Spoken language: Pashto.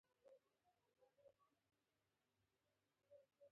د یو کال لپاره د کارخانې مصارف څلوېښت زره افغانۍ کېږي